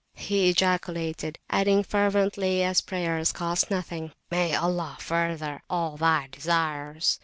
he ejaculated, adding fervently, as prayers cost nothing, May Allah further all thy desires.